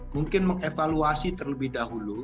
mungkin mengevaluasi terlebih dahulu